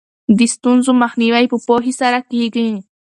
د ستونزو مخنیوی په پوهې سره کیږي.